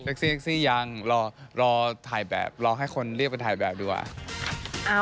เซ็กซี่ยังรอถ่ายแบบรอให้คนเรียกไปถ่ายแบบดีกว่า